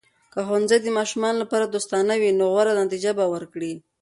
که ښوونځي د ماشومانو لپاره دوستانه وي، نو غوره نتیجه به ورکړي.